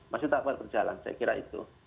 masih tahapan berjalan saya kira itu